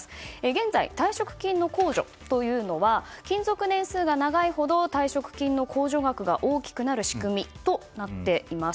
現在、退職金の控除というのは勤続年数が長いほど退職金の控除額が大きくなる仕組みとなっています。